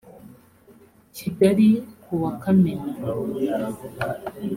kigali ku wa kamena